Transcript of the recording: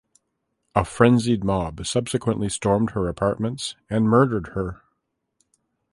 A frenzied mob subsequently stormed her apartments and murdered her.